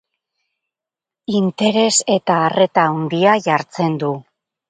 Interes eta arreta handia jartzen du.